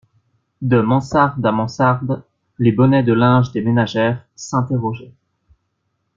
De mansarde à mansarde, les bonnets de linge des ménagères s'interrogeaient.